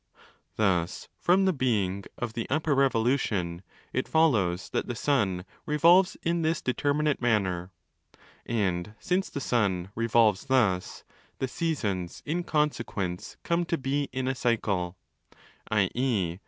Thus, from the being of the ' upper revolution' it follows that the sun revolves in this determi nate manner; and since the sun revolves ¢hus, the seasons in consequence come to be in a cycle, i.e.